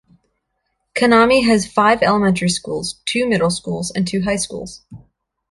Kannami has five elementary schools, two middle schools and two high schools.